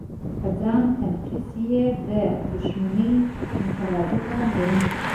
په ځان تنقید یې د دوښمنۍ مترادفه ګڼي.